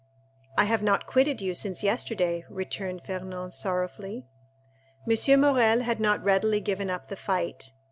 "I have not quitted you since yesterday," returned Fernand sorrowfully. M. Morrel had not readily given up the fight.